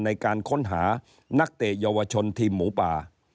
ในการค้นหานักเตะเยาวชนทีมหมูป่า